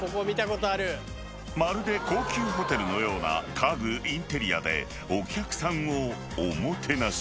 ［まるで高級ホテルのような家具インテリアでお客さんをおもてなし］